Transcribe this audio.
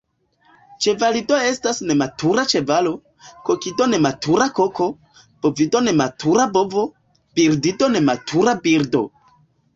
Ĉevalido estas nematura ĉevalo, kokido nematura koko, bovido nematura bovo, birdido nematura birdo.